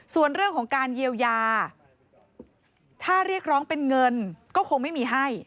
ส่วนเรื่องของการเยียวยาถ้าเรียกร้องเป็นเงินก็คงไม่มีให้